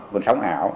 cơn sóng ảo